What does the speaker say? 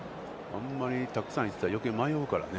あんまりたくさんいてたら、余計に迷うからね。